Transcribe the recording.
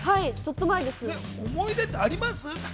思い出ってあります？